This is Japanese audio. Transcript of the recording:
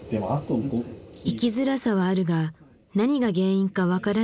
生きづらさはあるが何が原因か分からない鹿野さん。